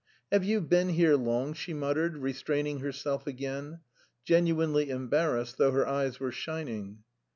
"Have... you been here long?" she muttered, restraining herself again, genuinely embarrassed though her eyes were shining.